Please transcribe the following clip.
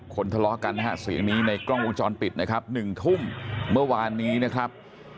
ทะเลาะกันนะฮะเสียงนี้ในกล้องวงจรปิดนะครับ๑ทุ่มเมื่อวานนี้นะครับ